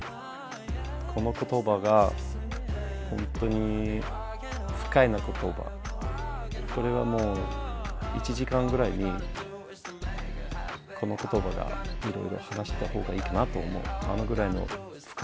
このことばが本当に深いなことば、これはもう、１時間ぐらいにこのことばがいろいろ話したほうがいいかなと思う。